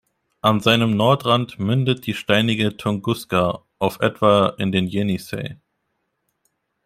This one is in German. An seinem Nordrand mündet die Steinige Tunguska auf etwa in den Jenissei.